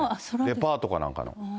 デパートかなんかの。